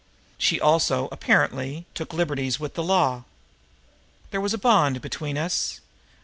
She also, apparently, took liberties with the law. There was a bond between us.